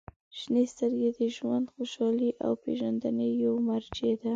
• شنې سترګې د ژوند خوشحالۍ او پېژندنې یوه مرجع ده.